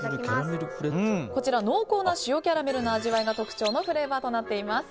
こちら、濃厚な塩キャラメルの味わいが特徴のフレーバーとなっています。